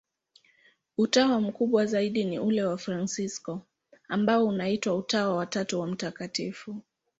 Utawa mkubwa zaidi ni ule wa Wafransisko, ambao unaitwa Utawa wa Tatu wa Mt.